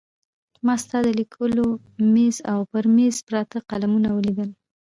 ما ستا د لیکلو مېز او پر مېز پراته قلمونه ولیدل.